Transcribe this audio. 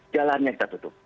jalannya kita tutup